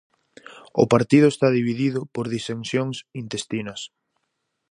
O partido está dividido por disensións intestinas.